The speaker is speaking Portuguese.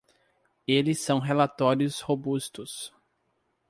Eles são relatórios robustos.